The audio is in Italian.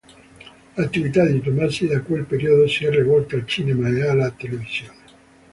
L'attività di Tommasi da quel periodo si è rivolta al cinema e alla televisione.